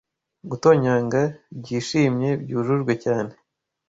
Gutonyanga byishimye byujujwe cyane